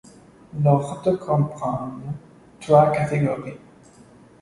L'ordre comprend trois catégories.